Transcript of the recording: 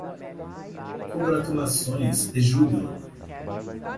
Congratulações e júbilo